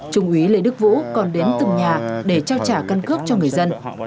trung úy lê đức vũ còn đến từng nhà để trao trả căn cước cho người dân